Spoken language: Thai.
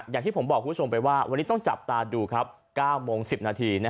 อย่างที่ผมบอกคุณผู้ชมไปว่าวันนี้ต้องจับตาดูครับ๙โมง๑๐นาที